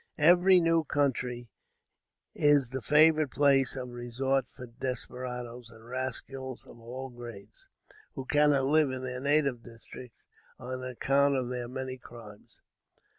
Every new country is the favorite place of resort for desperadoes and rascals of all grades, who cannot live in their native districts on account of their many crimes.